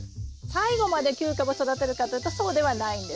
最後まで９株育てるかというとそうではないんです。